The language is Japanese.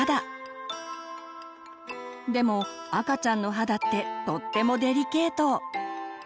でも赤ちゃんの肌ってとってもデリケート。